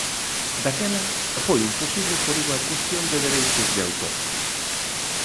Daquela foi imposible por unha cuestión de dereitos de autor.